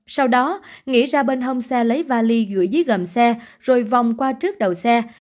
sau đó nghĩ ra bên hông xe lấy vali gửi dưới gầm xe rồi vòng qua trước đầu xe